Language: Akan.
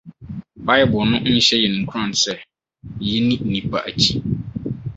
Bible no nhyɛ yɛn nkuran sɛ yenni nnipa akyi.